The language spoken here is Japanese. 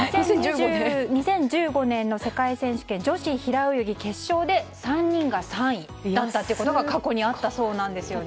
２０１５年の世界選手権女子平泳ぎ決勝で３人が３位だったということが過去にあったそうなんですよね。